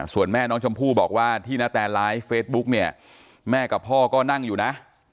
ส่วนแม่น้องชมพู่บอกว่าที่นาแตนไลฟ์เฟซบุ๊กเนี่ยแม่กับพ่อก็นั่งอยู่นะ